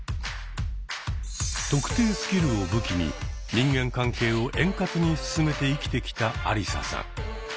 「特定」スキルを武器に人間関係を円滑に進めて生きてきたアリサさん。